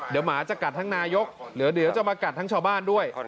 เดี๋ยวหมาจะกัดทั้งนายกเดี๋ยวจะมากัดทั้งชาวบ้านด้วย